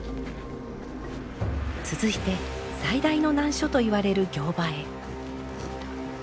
続いて最大の難所といわれる行場へ。